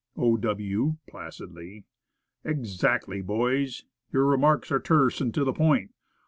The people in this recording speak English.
O. W. (placidly). "Exactly, boys. Your remarks are terse, and to the point.